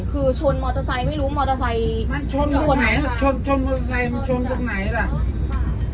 คือชนมอเตอร์ไซค์ไม่รู้มอเตอร์ไซค์มันชนกับคนไหนชนชนมอเตอร์ไซค์มันชนตรงไหนล่ะค่ะ